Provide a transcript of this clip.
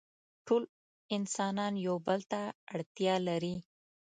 ټول انسانان يو بل ته اړتيا لري.